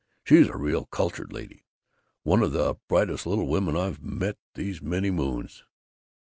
She's a real cultured lady. One of the brightest little women I've met these many moons.